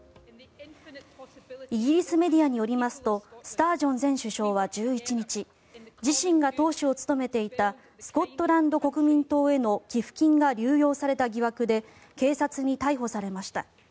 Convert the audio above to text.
イギリスメディアによりますとスタージョン前首相は１１日自身が党首を務めていたスコットランド国民党への寄付金が流用された疑惑で警察に逮捕されました。